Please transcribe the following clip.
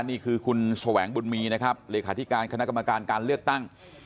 นี่คือคุณแสวงบุญมีนะครับเลขาธิการคณะกรรมการการเลือกตั้ง